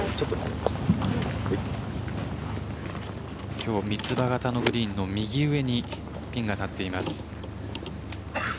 今日、三つ葉型のグリーンの右上にピンが立っています。